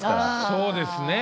そうですね。